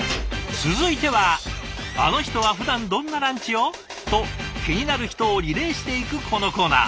続いては「あの人はふだんどんなランチを？」と気になる人をリレーしていくこのコーナー。